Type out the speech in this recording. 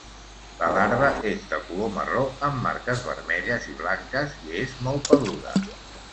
La larva és de color marró amb marques vermelles i blanques i és molt peluda.